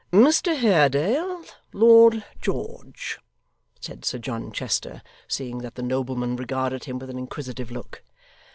'Mr Haredale, Lord George,' said Sir John Chester, seeing that the nobleman regarded him with an inquisitive look.